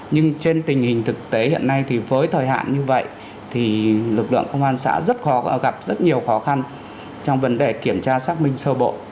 nhưng trên tình hình thực tế hiện nay thì với thời hạn như vậy thì lực lượng công an xã rất khó gặp rất nhiều khó khăn trong vấn đề kiểm tra xác minh sơ bộ